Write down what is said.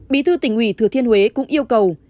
bí thư tỉnh ủy thừa thiên huế cũng yêu cầu